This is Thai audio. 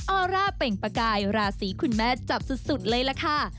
อร่าเปล่งประกายราศีคุณแม่จับสุดเลยล่ะค่ะ